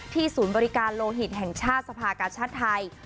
ศูนย์บริการโลหิตแห่งชาติสภากาชาติไทย